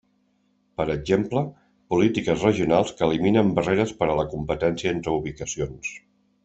Per exemple, polítiques regionals que eliminen barreres per a la competència entre ubicacions.